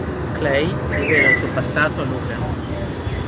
Clay rivela il suo passato a Logan.